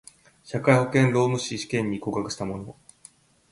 社会保険労務士試験に合格した者